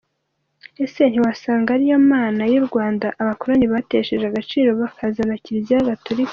Ese ntiwasanga ariyo Mana y’ uRwanda abakoloni batesheje agaciro bazana Kiliziya Gatolika.